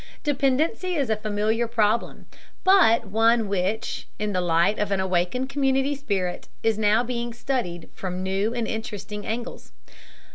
Dependency is a familiar problem, but one which, in the light of an awakened community spirit, is now being studied from new and interesting angles.